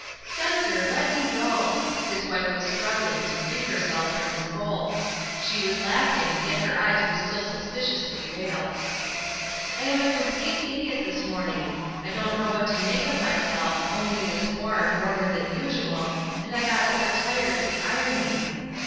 "Spencer, let me go!" His wife was strug gling to free herself from his hold; she was laughing, yet her eyes were still suspiciously veiled. " I am a complete idiot this morning ; I don't know what to make of myself, only it is warm, warmer than usual, and I got overtired at the ironing.